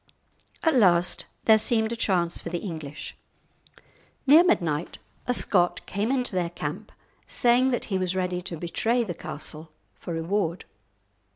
At last there seemed a chance for the English. Near midnight a Scot came into their camp, saying that he was ready to betray the castle for a reward.